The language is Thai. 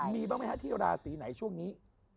มีบ้างไหมฮะที่ราศีไหนช่วงนี้